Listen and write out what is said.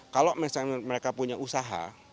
kalau misalnya mereka punya usaha